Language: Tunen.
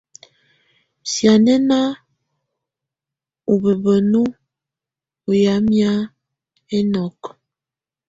Sianɛna u bubǝ́nu á yamɛ̀á ɛnɔkɔ.